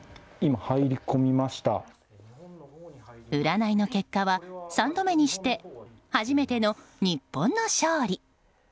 占いの結果は３度目にして初めての日本の勝利。